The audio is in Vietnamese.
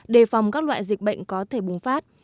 đề phòng các loại dịch bệnh có thể bùng phát